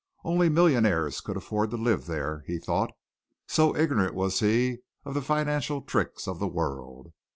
Only millionaires could afford to live there, he thought so ignorant was he of the financial tricks of the world.